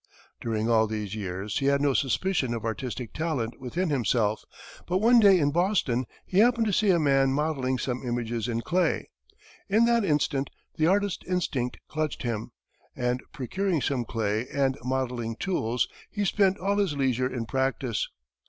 During all these years he had no suspicion of artistic talent within himself, but one day in Boston he happened to see a man modelling some images in clay. In that instant, the artist instinct clutched him, and procuring some clay and modelling tools, he spent all his leisure in practice.